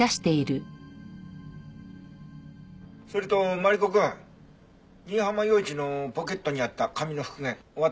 それとマリコくん新浜陽一のポケットにあった紙の復元終わったよ。